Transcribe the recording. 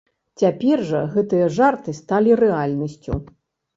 Цяпер жа гэтыя жарты сталі рэальнасцю.